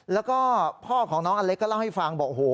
แล้วก็พ่อของน้องอเล็กก็เล่าให้ฟังบอกโอ้โห